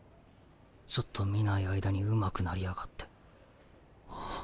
ちょっと見ない間にうまくなりやがって。